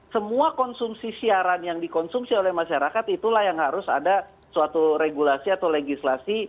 semua konsumsi siaran yang dikonsumsi oleh masyarakat itulah yang harus ada suatu regulasi atau legislasi